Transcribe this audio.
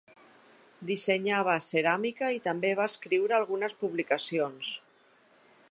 Dissenyava ceràmica i també va escriure algunes publicacions.